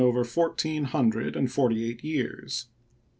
59 over fourteen hundred and forty eight years.